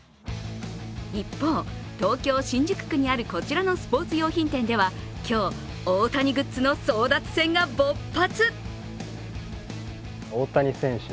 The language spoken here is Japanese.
一方、東京・新宿区にあるこちらのスポーツ用品店では今日、大谷グッズの争奪戦が勃発。